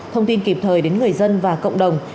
thông tin kịp thời đến người dân và cộng đồng